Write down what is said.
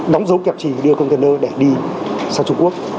đóng dấu kẹp trì đưa container để đi sang trung quốc